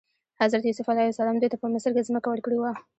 حضرت یوسف علیه السلام دوی ته په مصر کې ځمکه ورکړې وه.